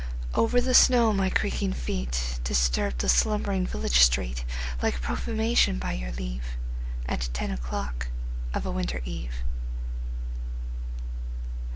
Over the snow my creaking feet Disturbed the slumbering village street Like profanation, by your leave, At ten o'clock of a winter eve.